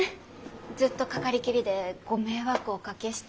ずっとかかりっきりでご迷惑おかけして。